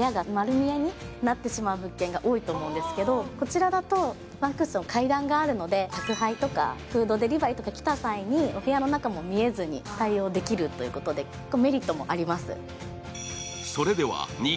こちらだとワンクッション、階段があるので宅配とかフードデリバリーとか来た際にお部屋の中も見えずに対応できるということでメリットもあります。